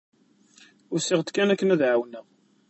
Usiɣ-d kan akken ad ɛawneɣ.